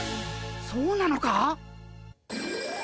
そうなのか！？